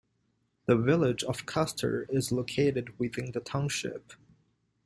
The village of Custer is located within the township.